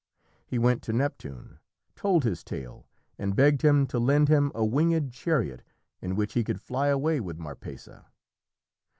He went to Neptune, told his tale, and begged him to lend him a winged chariot in which he could fly away with Marpessa.